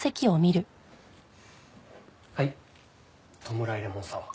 はい弔いレモンサワー。